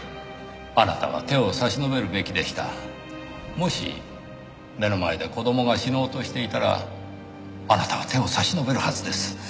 もし目の前で子供が死のうとしていたらあなたは手を差し伸べるはずです。